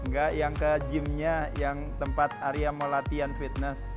enggak yang ke gymnya yang tempat arya mau latihan fitness